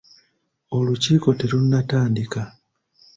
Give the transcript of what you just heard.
Olukiiko terunnatandika.